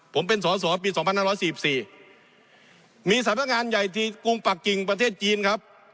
ผมเป็นสอสอปีสองพันห้าร้อยสี่สิบสี่มีสถานการณ์ใหญ่ที่กรุงปักกิงประเทศจีนครับ